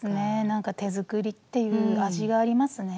なんか手作りっていう味がありますね。